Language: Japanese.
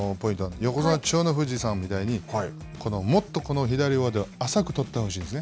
横綱千代の富士さんみたいにこのもっと左上手を浅く取ってほしいんですね。